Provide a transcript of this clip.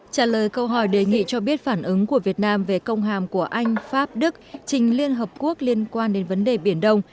trả lời câu hỏi đề nghị cho biết phản ứng của việt nam về công hàm của anh pháp đức trình liên hợp quốc liên quan đến vấn đề biển đông